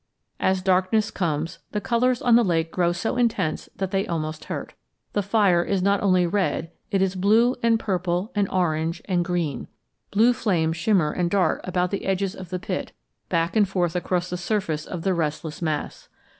As darkness comes the colors on the lake grow so intense that they almost hurt. The fire is not only red; it is blue and purple and orange and green. Blue flames shimmer and dart about the edges of the pit, back and forth across the surface of the restless mass.